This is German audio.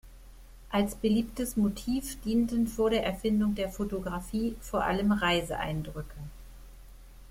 Als beliebtes Motiv dienten vor der Erfindung der Fotografie vor allem Reiseeindrücke.